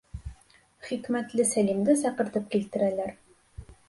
Хикмәтле Сәлимде саҡыртып килтерәләр.